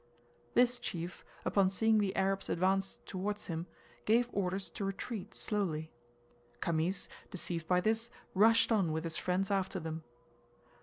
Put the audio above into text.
This chief, upon seeing the Arabs advance towards him, gave orders to retreat slowly. Khamis, deceived by this, rushed on with his friends after them.